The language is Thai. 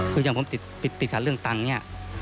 คืออย่างผมติดขัดเรื่องตังค์เนี่ย